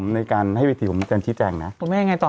ในการให้วิธีผมแจนชี้แจงนะ